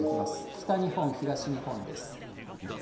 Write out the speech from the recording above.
北日本、東日本です。